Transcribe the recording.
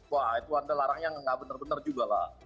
wah itu anda larangnya nggak benar benar juga lah